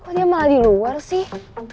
kok dia malah di luar sih